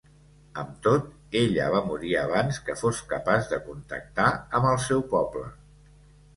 Amb tot, ella va morir abans que fos capaç de contactar amb el seu poble.